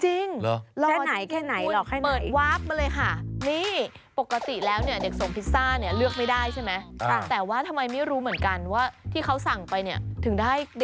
จริงหรือคุณเปิดวาร์ฟมาเลยค่ะรอแค่ไหน